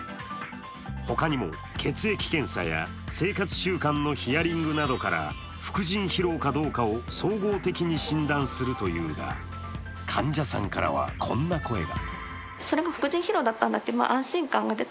他にも、血液検査や生活習慣のヒアリングなどから副腎疲労かどうかを総合的に診断するというが、患者さんからはこんな声が。